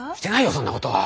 そんなことは！